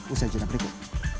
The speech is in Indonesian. usaha cina berikut